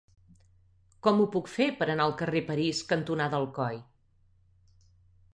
Com ho puc fer per anar al carrer París cantonada Alcoi?